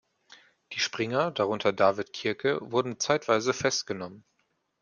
Die Springer, darunter David Kirke, wurden zeitweise festgenommen.